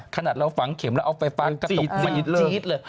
ขนาดเราฝังเข็มแล้วเอาไฟฟ้ากระตุกมาจี๊ดเลย